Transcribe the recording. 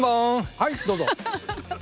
はいどうぞ。